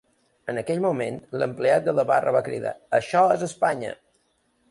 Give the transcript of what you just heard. En aquell moment l’empleat de la barra va cridar: Això és Espanya.